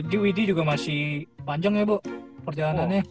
apalagi widy juga masih panjang ya bo perjalanannya